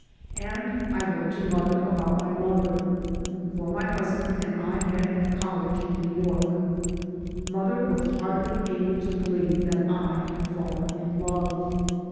And I wrote to mother about my lover. For my husband and I met at college in New York. Mother was hardly able to believe that I had fallen in love.